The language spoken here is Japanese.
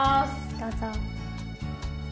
どうぞ。